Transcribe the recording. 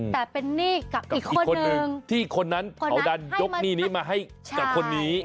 แต่เป็นหนี้กับอีกคนนึงที่คนนั้นเขาดันยกหนี้นี้มาให้กับคนนี้